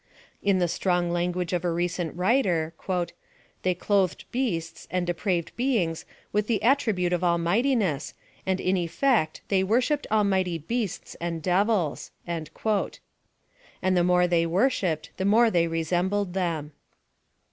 In the strong language of a recent writer, '^ihey clothed beasts and depraved beings with the attribute of Almightiness, and in effect they wor shipped almighty beasts and devils." And the* more they worshipped the more they resembled them.